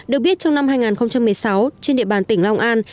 được biết trong năm hai nghìn một mươi sáu trên địa bàn tỉnh long an